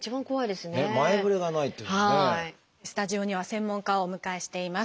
スタジオには専門家をお迎えしています。